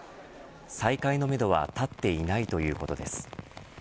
再開のめどは立っていないということです。